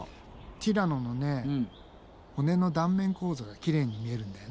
ティラノのね骨の断面構造がきれいに見えるんだよね。